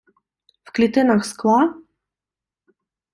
В клітинах скла...